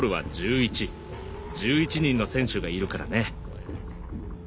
１１人の選手がいるからね。